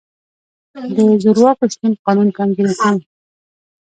د زورواکو شتون قانون کمزوری کوي.